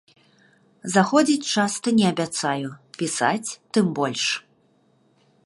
Заходзіць часта не абяцаю, пісаць, тым больш.